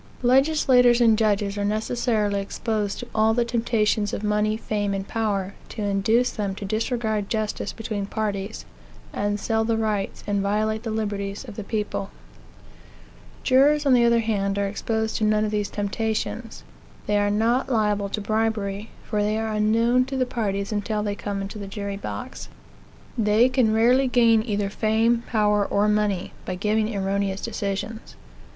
Legislators and judges are necessarily exposed to all the temptations of money, fame, and power, to induce them to disregard justice between parties, and sell the rights, and violate the liberties of the people. Jurors, on the other hand, are exposed to none of these temptations. They are not liable to bribery, for they are unknown to the parties until they come into the jury box. They can rarely gain either fame, power, or money, by giving erroneous decisions.